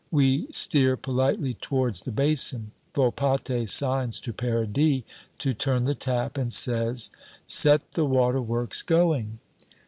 We steer politely towards the basin. Volpatte signs to Paradis to turn the tap, and says, "Set the waterworks going!"